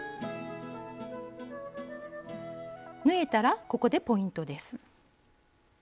縫えたらここでポイントです。